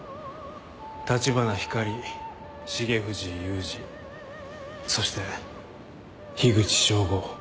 橘ひかり重藤雄二そして口彰吾。